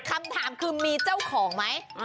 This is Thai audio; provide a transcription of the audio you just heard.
คำถามคือมีเจ้าของไหม